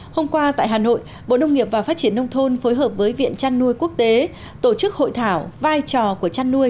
hôm qua tại hà nội bộ nông nghiệp và phát triển nông thôn phối hợp với viện chăn nuôi quốc tế tổ chức hội thảo vai trò của chăn nuôi